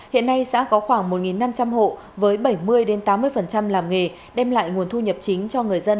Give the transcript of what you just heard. hiện nay xã có khoảng một năm trăm linh hộ với bảy mươi tám mươi làm nghề đem lại nguồn thu nhập chính cho người dân